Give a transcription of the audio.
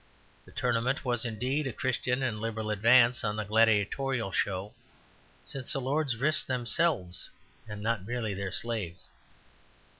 The tournament was indeed a Christian and liberal advance on the gladiatorial show, since the lords risked themselves and not merely their slaves.